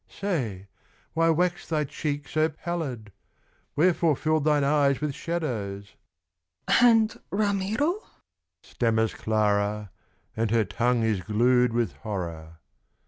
"Say, why waxed thy cheek so pallid? Wherefore filled thine eyes with shadows?" "And Ramiro?" stammers Clara, And her tongue is glued with horror.